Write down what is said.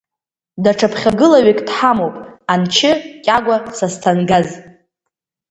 Даҽа ԥхьагылаҩык дҳамоуп, анчы Кьагәа Сасҭангаз!